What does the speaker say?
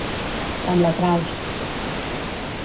Com la Traus.